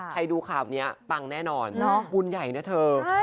ดูข่าวนี้ปังแน่นอนบุญใหญ่นะเธอ